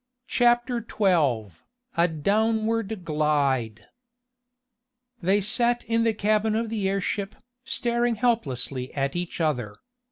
CHAPTER XII A DOWNWARD GLIDE They sat in the cabin of the airship, staring helplessly at each other.